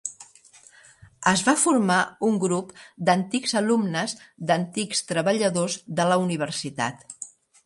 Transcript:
Es va formar un grup d'antics alumnes d'antics treballadors de la universitat.